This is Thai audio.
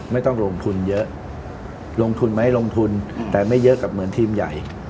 ไม่ต้องลงทุนเยอะลงทุนไหมลงทุนแต่ไม่เยอะกับเหมือนทีมใหญ่